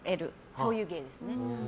そういう芸ですね。